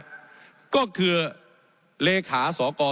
มีล้ำตีตั้นเนี่ยมีล้ำตีตั้นเนี่ย